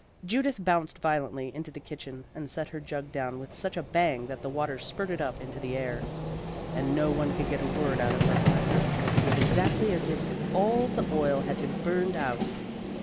Judith bounced violently into the kitchen and set her jug down with such a bang that the water spurted up into the air. "And no one can get a word out of her, either; it is exactly as if all the oil had been burned out."